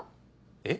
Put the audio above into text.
えっ？